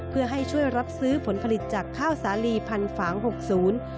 เพื่อให้ช่วยรับซื้อผลผลิตจากข้าวสาลีพันฝางหกศูนย์